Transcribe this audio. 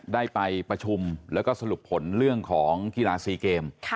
ได้ไปประชุมแล้วก็สรุปผลเรื่องของกีฬาซีเกม